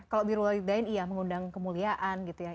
kalau di rulidain iya mengundang kemuliaan gitu ya